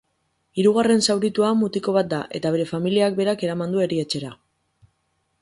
Hirugarren zauritua mutiko bat da eta bere familiak berak eraman du erietxera.